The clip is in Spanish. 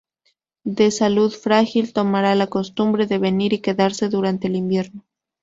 De salud frágil, tomará la costumbre de venir y quedarse durante el invierno.